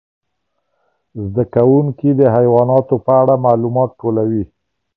زده کوونکي د حیواناتو په اړه معلومات ټولوي.